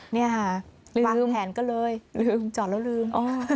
นี่ค่ะลืมจอดแล้วลืมปากแผนก็เลยลืม